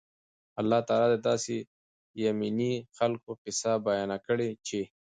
الله تعالی د داسي يَمَني خلکو قيصه بیانه کړي چې